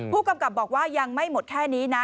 ผู้กำกับบอกว่ายังไม่หมดแค่นี้นะ